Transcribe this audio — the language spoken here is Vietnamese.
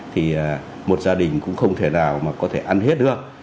thì một gia đình cũng không thể nào mà có thể ăn hết được